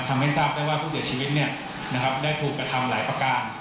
ทำให้ทราบได้ว่าผู้เสียชีวิตได้ถูกกระทำหลายประการ